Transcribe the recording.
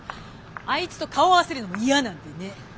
あいつと顔合わせるのも嫌なんでね。